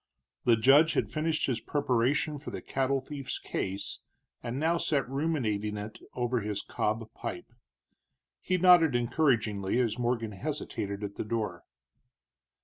The judge had finished his preparation for the cattle thief's case, and now sat ruminating it over his cob pipe. He nodded encouragingly as Morgan hesitated at the door.